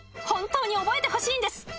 本当に覚えてほしいんです。